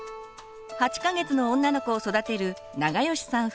８か月の女の子を育てる永吉さん